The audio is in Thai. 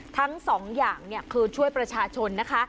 ทั้งสองอย่างคือช่วยประชาชนนะคะ